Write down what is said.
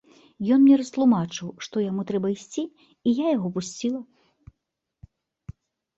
Ён мне растлумачыў, што яму трэба ісці, і я яго пусціла.